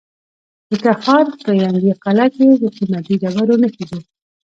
د تخار په ینګي قلعه کې د قیمتي ډبرو نښې دي.